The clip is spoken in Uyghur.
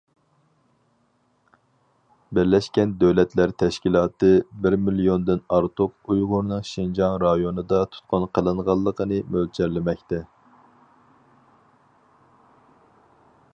بىرلەشكەن دۆلەتلەر تەشكىلاتى ، بىر مىليوندىن ئارتۇق ئۇيغۇرنىڭ شىنجاڭ رايونىدا تۇتقۇن قىلىنغانلىقىنى مۆلچەرلىمەكتە.